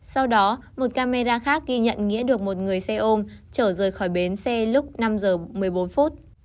sau đó một camera khác ghi nhận nghĩa được một người xe ôm trở rời khỏi biến xe lúc năm h một mươi bốn